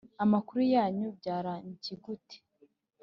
Amakuru yanyu byarangi gute